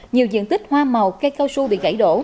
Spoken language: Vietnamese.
nhiều diện tích hoa màu cây cao su bị gãy đổ